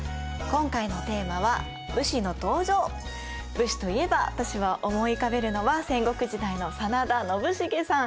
武士といえば私は思い浮かべるのは戦国時代の真田信繁さん。